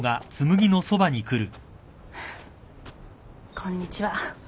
こんにちは。